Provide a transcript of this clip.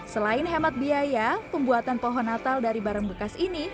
selain hemat biaya pembuatan pohon natal dari barang bekas ini